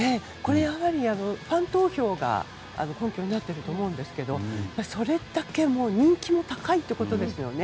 やはりファン投票が根拠になっていると思いますがそれだけ人気が高いということですね。